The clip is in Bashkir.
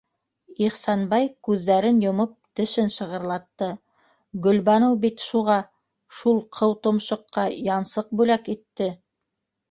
Ихсанбай, күҙҙәрен йомоп, тешен шығырлатты: Гөлбаныу бит шуға... шул ҡыутомшоҡҡа янсыҡ бүләк итте.